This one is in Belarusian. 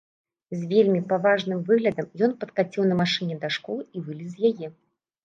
З вельмі паважным выглядам ён падкаціў на машыне да школы і вылез з яе.